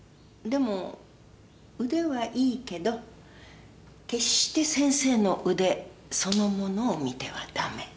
でも腕はいいけど決して先生の腕そのものを見ては駄目。